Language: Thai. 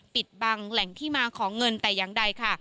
ปิดบังแหล่งที่มาของเงินแต่อย่างใดค่ะ